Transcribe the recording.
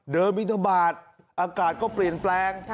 บินทบาทอากาศก็เปลี่ยนแปลง